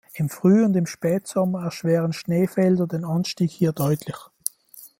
Im Früh- und im Spätsommer erschweren Schneefelder den Anstieg hier deutlich.